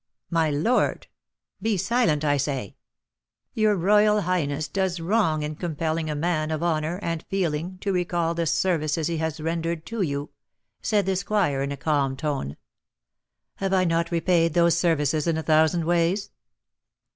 "My lord!" "Be silent! I say." "Your royal highness does wrong in compelling a man of honour and feeling to recall the services he has rendered to you," said the squire, in a calm tone. "Have I not repaid those services in a thousand ways?"